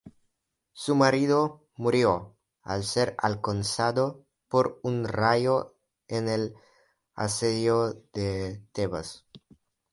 Su marido murió al ser alcanzado por un rayo en el asedio de Tebas.